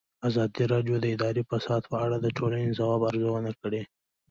ازادي راډیو د اداري فساد په اړه د ټولنې د ځواب ارزونه کړې.